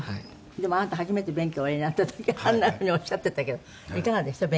でもあなた初めて弁慶をおやりになった時あんな風におっしゃってたけどいかがでした？